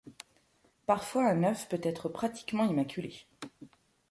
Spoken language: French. Parfois un œuf peut être pratiquement immaculé.